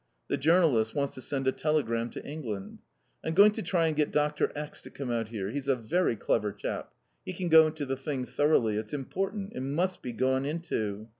The journalist wants to send a telegram to England. "I'm going to try and get Doctor X. to come out here. He's a very clever chap. He can go into the thing thoroughly. It's important. It must be gone into."